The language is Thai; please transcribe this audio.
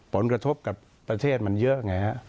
ผลกระทบกับประเทศมันเยอะไงฮะ